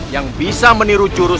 yang bisa meniru jurus